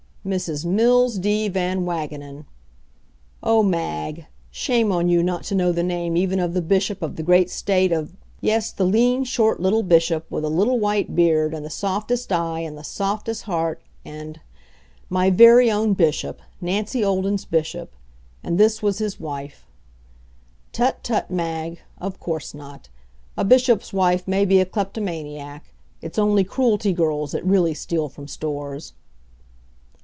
++| Mrs. MILLS D. VAN WAGENEN |++ Oh Mag! Shame on you not to know the name even of the Bishop of the great state of yes, the lean, short little Bishop with a little white beard, and the softest eye and the softest heart and my very own Bishop, Nancy Olden's Bishop. And this was his wife. Tut tut, Mag! Of course not. A bishop's wife may be a kleptomaniac; it's only Cruelty girls that really steal from stores.